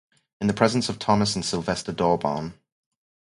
In the presence of Thomas and Sylvester Dawbarn.